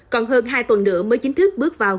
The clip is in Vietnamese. còn hơn hai tuần nữa mới chính thức bước vào